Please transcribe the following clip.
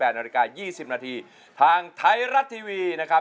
นาฬิกา๒๐นาทีทางไทยรัฐทีวีนะครับ